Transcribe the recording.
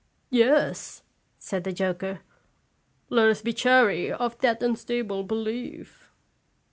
" Yes," said the joker, " let us be chary of that unstable belief."